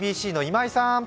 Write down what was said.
ＩＢＣの今井さん。